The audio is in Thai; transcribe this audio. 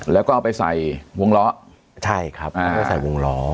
แล้วก็เอาไปใส่วงล้อใช่ครับแล้วก็ใส่วงล้อ